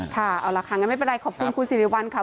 ค่ะเอาล่ะค่ะงั้นไม่เป็นไรขอบคุณคุณสิริวัลค่ะ